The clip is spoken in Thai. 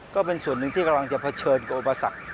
ก็เป็นส่วนหนึ่งที่กำลังจะเผชิญกับอุปสรรค